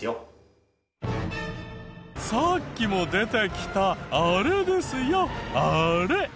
さっきも出てきたあれですよあれ！